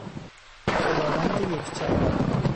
خداوند یکتا